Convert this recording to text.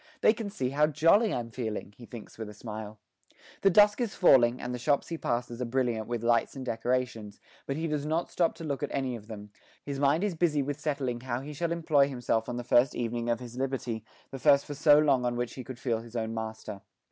'They can see how jolly I'm feeling,' he thinks with a smile. The dusk is falling, and the shops he passes are brilliant with lights and decorations, but he does not stop to look at any of them; his mind is busy with settling how he shall employ himself on this the first evening of his liberty, the first for so long on which he could feel his own master.